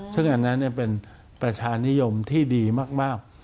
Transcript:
ซึ่งอันนั้นเป็นประชานิยมที่ดีมาก